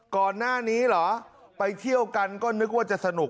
ก่อนหน้านี้เหรอไปเที่ยวกันก็นึกว่าจะสนุก